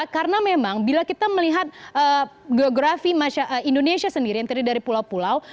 karena memang bila kita melihat geografi indonesia sendiri yang tadi dari pulau pulau